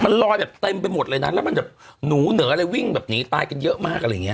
มันลอยแบบเต็มไปหมดเลยนะแล้วมันแบบหนูเหนออะไรวิ่งแบบหนีตายกันเยอะมากอะไรอย่างเงี้